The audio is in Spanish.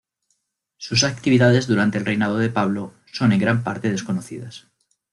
Sus actividades durante el reinado de Pablo son en gran parte desconocidas.